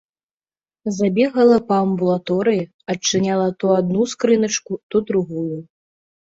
Забегала па амбулаторыі, адчыняла то адну скрыначку, то другую.